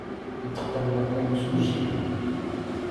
Yetqelleq yimsujji.